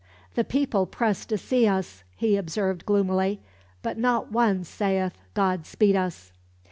"The people press to see us," he observed gloomily, "but not one sayeth God speed us."